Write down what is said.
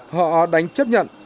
họ đánh chấp nhận